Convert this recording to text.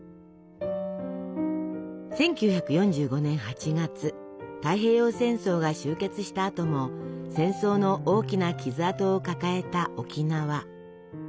１９４５年８月太平洋戦争が終結したあとも戦争の大きな傷痕を抱えた沖縄。